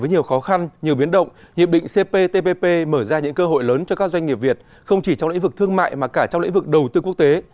với nhiều khó khăn nhiều biến động hiệp định cptpp mở ra những cơ hội lớn cho các doanh nghiệp việt không chỉ trong lĩnh vực thương mại mà cả trong lĩnh vực đầu tư quốc tế